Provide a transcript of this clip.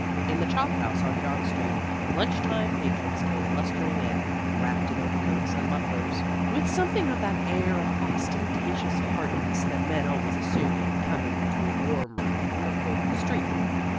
In the chop house on John Street, lunch time patrons came blustering in, wrapped in overcoats and mufflers, with something of that air of ostentatious hardiness that men always assume on coming into a warm room from a cold street.